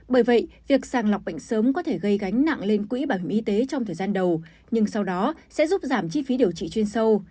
bởi vậy việc sàng lọc bệnh sớm có thể gây gánh nặng lên quỹ bảo hiểm y tế trong thời gian đầu nhưng sau đó sẽ giúp giảm chi phí điều trị chuyên sâu